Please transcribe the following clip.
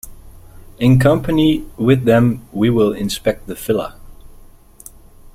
In company with them we will inspect the villa.